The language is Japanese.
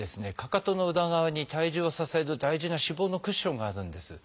かかとの裏側に体重を支える大事な脂肪のクッションがあるんです。